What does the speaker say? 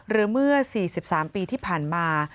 หรือเมื่อ๔๓ปีที่ผ่านมา